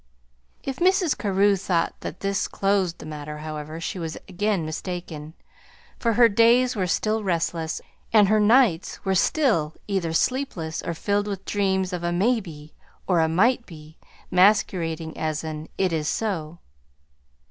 If Mrs. Carew thought that this closed the matter, however, she was again mistaken; for her days were still restless, and her nights were still either sleepless or filled with dreams of a "may be" or a "might be" masquerading as an "it is so."